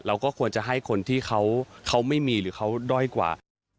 เราก็ควรจะให้คนที่เขาไม่มีหรือเขาด้อยกว่า